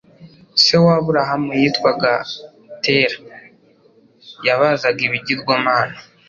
se w'aburahamu yitwaga tera yabazaga ibigirwamana